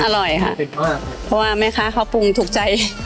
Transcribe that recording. อร่อยค่ะเพราะว่ามั้ยคะเขาปรุงถูกใจ